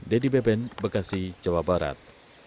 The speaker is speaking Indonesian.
dedy beben bekasi jawa barat